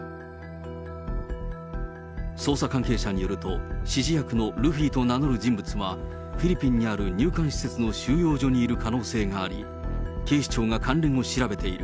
捜査関係者によると、指示役のルフィと名乗る人物は、フィリピンにある入管施設の収容所にいる可能性があり、警視庁が関連を調べている。